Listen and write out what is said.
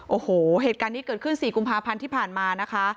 โอ้โหเหตุการณ์นี้เกิดขึ้น๔กุมภาพันธ์ที่ผ่านมานะคะ